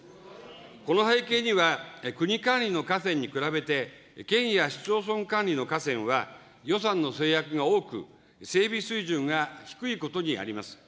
この背景には、国管理の河川に比べて、県や市町村管理の河川は、予算の制約が多く、整備水準が低いことにあります。